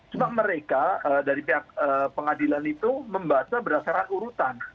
cuma mereka dari pihak pengadilan itu membaca berdasarkan urutan